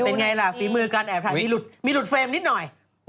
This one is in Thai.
เป็นไงล่ะฝีมือการแอบถ่ายมีหลุดเฟรมนิดหน่อย